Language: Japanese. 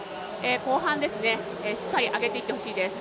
後半ですねしっかり上げていってほしいです。